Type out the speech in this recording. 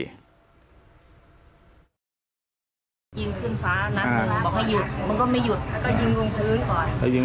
ยิงขึ้นฟ้านัดหนึ่งบอกให้หยุดมันก็ไม่หยุดแล้วก็ยิงลงพื้นก่อน